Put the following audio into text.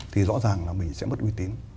thì rõ ràng là mình sẽ bất uy tín